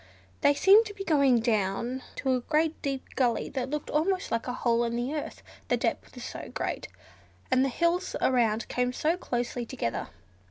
They seemed to be going down to a great deep gully that looked almost like a hole in the earth, the depth was so great, and the hills around came so closely together.